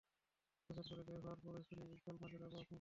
গোসল করে বের হওয়ার পরই শুনি ইকরার মাকে তার বাবা খুন করেছে।